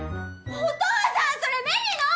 お父さんそれ芽李の！